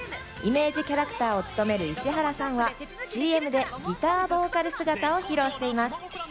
イメージキャラクターを務める石原さんはＣＭでギターボーカル姿を披露しています。